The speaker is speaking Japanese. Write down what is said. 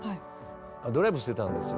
ドライブしてたんですよ。